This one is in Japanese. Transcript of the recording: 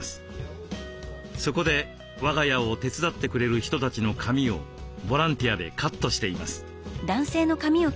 そこで「和がや」を手伝ってくれる人たちの髪をボランティアでカットしています。